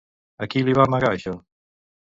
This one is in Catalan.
A qui li va amagar això?